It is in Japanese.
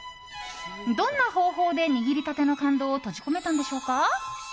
どんな方法で握りたての感動を閉じ込めたのでしょうか。